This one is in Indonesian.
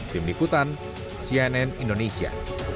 tim liputan cnn indonesia